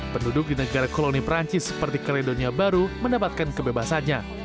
penduduk di negara koloni perancis seperti kaledonia baru mendapatkan kebebasannya